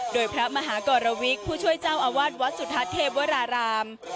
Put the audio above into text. โดยพระมหากรวิกผู้ช่วยเจ้าอาวาสวัดสุทัศน์เทพวราราม